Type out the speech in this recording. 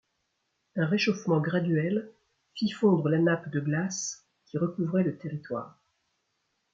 Un réchauffement graduel fit fondre la nappe de glace qui recouvrait le territoire.